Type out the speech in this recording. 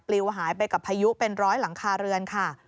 ลิวหายไปกับพายุเป็นร้อยหลังคาเรือนค่ะ